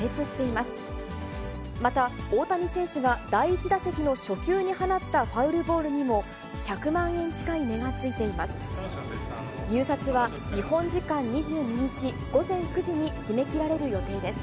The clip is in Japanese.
また、大谷選手が第１打席の初球に放ったファウルボールにも、１００万円近い値がついています。